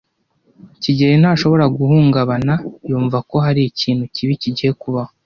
kigeli ntashobora guhungabana yumva ko hari ikintu kibi kigiye kubaho.